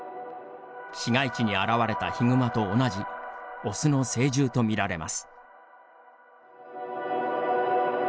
市街地に現れたヒグマと同じオスの成獣とみられます。